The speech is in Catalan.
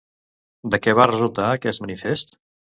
De què va resultar aquest manifest?